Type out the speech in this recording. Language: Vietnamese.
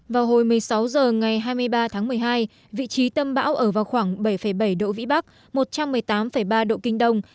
vào hồi một mươi sáu h ngày hai mươi ba tháng một mươi hai vị trí tâm bão ở vào khoảng bảy bảy độ vĩ bắc một trăm một mươi tám ba độ kinh đông